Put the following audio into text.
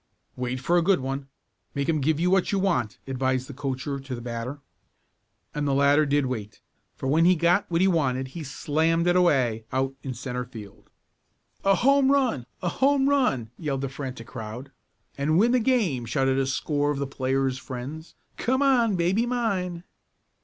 "Wait for a good one. Make him give you what you want," advised the coacher to the batter. And the latter did wait, for when he got what he wanted he "slammed it" away out in centre field. "A home run! A home run!" yelled the frantic crowd. "And win the game!" shouted a score of the players' friends. "Come on, baby mine!"